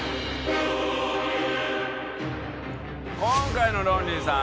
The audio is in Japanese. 今回のロンリーさん